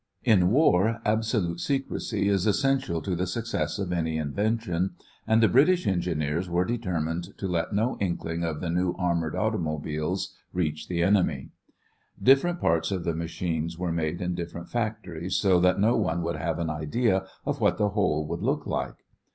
In war, absolute secrecy is essential to the success of any invention, and the British engineers were determined to let no inkling of the new armored automobiles reach the enemy. Different parts of the machines were made in different factories, so that no one would have an idea of what the whole would look like.